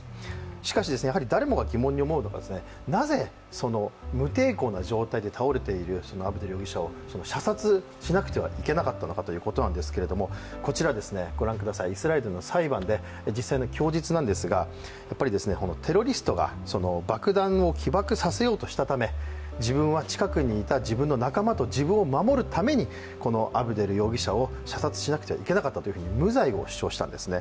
しかしやはり誰もが疑問に思うのがなぜ無抵抗な状態で倒れているそのアブデル容疑者を射殺しなければいけなかったのかということですけどもイスラエルの裁判での実際の供述ですが、テロリストが爆弾を起爆させようとしたため、自分は近くにいた自分の仲間と自分を守るために、このアブデル容疑者を射殺しなければいけなかったというふうに無罪を主張したんですね。